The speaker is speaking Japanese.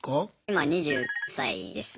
今２０歳です。